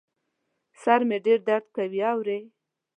سر مي ډېر درد کوي ، اورې ؟